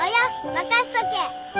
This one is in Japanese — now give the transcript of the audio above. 任せとけ！